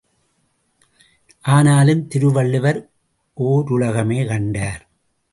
ஆனாலும், திருவள்ளுவர் ஓருலகமே கண்டார்!